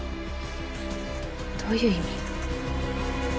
どういう意味？